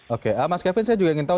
oke mas kevin saya juga ingin tahu